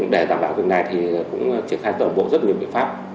để giảm bảo hình này truyền khai tổng bộ rất nhiều biện pháp